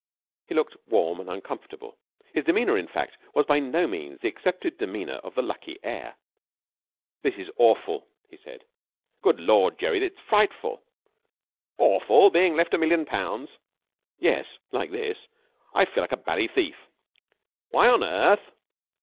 He looked warm and uncomfortable. His demeanour, in fact, was by no means the accepted demeanour of the lucky heir. 'This is awful!' he said. 'Good Lord, Jerry, it's frightful!' 'Awful! being left a million pounds?' 'Yes, like this. I feel like a bally thief.' 'Why on earth?'